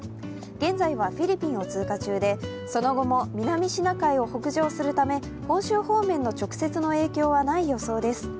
現在はフィリピンを通過中でその後も南シナ海を北上するため本州方面の直接の影響はない予想です。